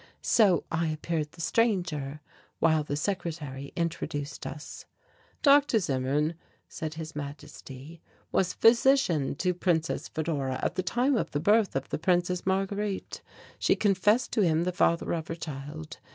So I appeared the stranger while the secretary introduced us. "Dr. Zimmern," said His Majesty, "was physician to Princess Fedora at the time of the birth of the Princess Marguerite. She confessed to him the father of her child.